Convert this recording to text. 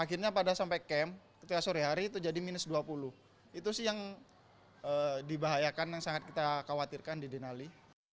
itu sih yang dibahayakan yang sangat kita khawatirkan di denali